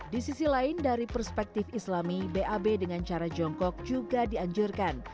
di sisi lain dari perspektif islami bab dengan cara jongkok juga dianjurkan